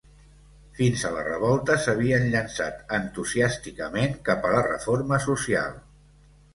Fins a la revolta, s'havien llençat entusiàsticament cap a la reforma social.